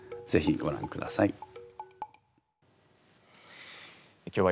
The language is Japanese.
ぜひごらんください。